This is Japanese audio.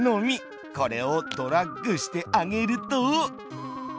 これをドラッグしてあげると。